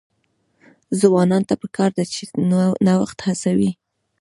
ځوانانو ته پکار ده چې، نوښت هڅوي.